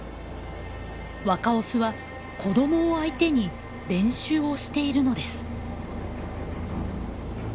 若オスは子どもを相手に練習をしているのです。